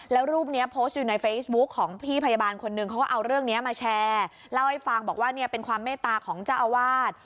แล้วรูปนี้โพสต์อยู่ในเฟซบุ๊คของพี่พยาบาลคนหนึ่งเขาก็เอาเรื่องนี้มาแชร์เล่าให้ฟังบอกว่าเนี่ยเป็นความเมตตาของเจ้าอาวาส